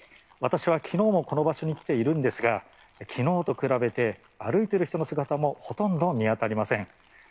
私はきのうもこの場所に来ているんですが、きのうと比べて、歩いている人の姿もほとんど見当たりません。